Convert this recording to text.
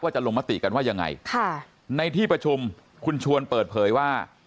จะลงมติกันว่ายังไงค่ะในที่ประชุมคุณชวนเปิดเผยว่า